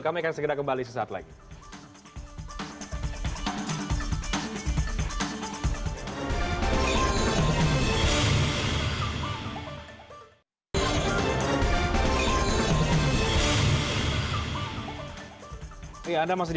kami akan segera kembali sesaat lagi